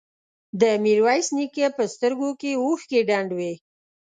د ميرويس نيکه په سترګو کې اوښکې ډنډ وې.